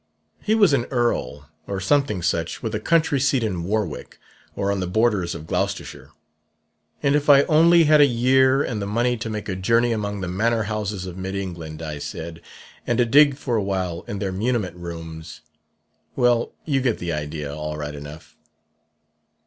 He was an earl, or something such, with a country seat in Warwick, or on the borders of Gloucestershire; 'and if I only had a year and the money to make a journey among the manor houses of mid England,' I said, 'and to dig for a while in their muniment rooms....' Well, you get the idea, all right enough.